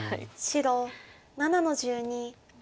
白７の十二ハネ。